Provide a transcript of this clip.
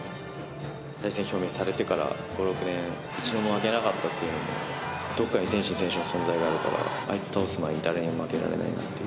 対戦表明されてから５６年一度も負けなかったのもどこかに天心選手の存在があるからあいつに勝つまで誰にも負けられないなという。